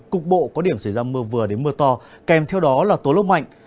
cục bộ có điểm xảy ra mưa vừa đến mưa to kèm theo đó là tố lốc mạnh